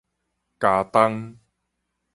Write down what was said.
茄苳